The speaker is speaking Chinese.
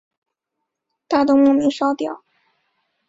大灯莫名烧掉